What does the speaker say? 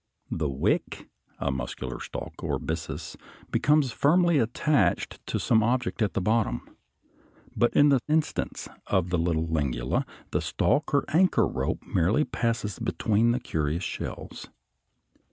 The "wick," a muscular stalk or byssus, becomes firmly attached to some object at the bottom. But in the instance of the little Lingula the stalk or anchor rope merely passes between the curious shells.